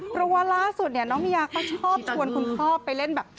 เพราะว่าล่าสุดเนี่ยน้องมียาก็ชอบชวนคุณพ่อไปเล่นแบบ